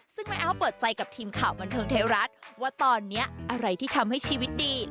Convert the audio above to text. ซึ่งแม่แอ๊วเปิดใจกับทีมข่าวบันเทิงไทยรัฐว่าตอนนี้อะไรที่ทำให้ชีวิตดี